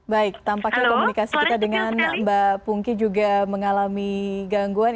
baik tampaknya komunikasi kita dengan mbak pungki juga mengalami gangguan